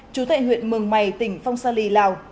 chú tại huyện mường mày tỉnh phong sa lì lào